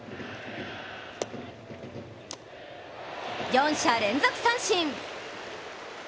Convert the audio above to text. ４者連続三振！